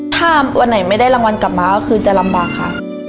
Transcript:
ถ้าวันไหนไม่ได้รางวัลกลับมาก็คือจะลำบากค่ะ